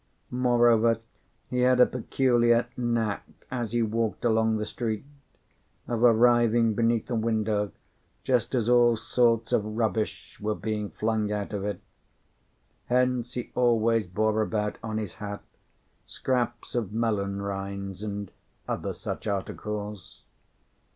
Moreover, he had a peculiar knack, as he walked along the street, of arriving beneath a window just as all sorts of rubbish were being flung out of it: hence he always bore about on his hat scraps of melon rinds and other such articles.